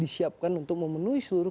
dan disiapkan untuk memenuhi seluruh